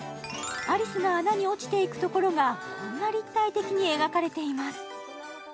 アリスが穴に落ちていくところがこんな立体的に描かれています